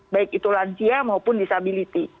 baik itu lansia maupun disabilitas